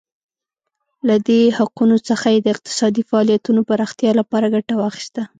له دې حقونو څخه یې د اقتصادي فعالیتونو پراختیا لپاره ګټه واخیسته.